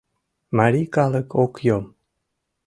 Марий калык ок йом.